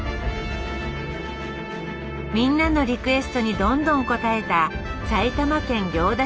みんなのリクエストにどんどん応えた埼玉県行田市の「家族に一杯」